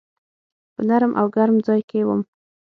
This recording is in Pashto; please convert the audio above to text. په نرم او ګرم ځای کي وم .